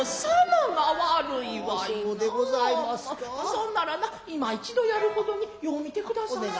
そんならな今一度やる程によう見て下さんせ。